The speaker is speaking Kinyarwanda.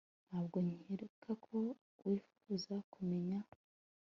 Ntabwo nkeka ko wifuza kumenya